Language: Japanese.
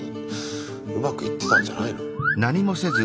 うまくいってたんじゃないの？